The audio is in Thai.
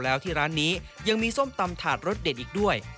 แล้วที่ร้านนี้ยังมีส้มตำถาดรสเด็ดอีกด้วย